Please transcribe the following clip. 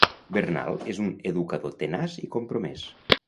Bernal és un educador tenaç i compromès.